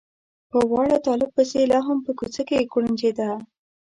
په واړه طالب پسې لا هم په کوڅه کې کوړنجېده.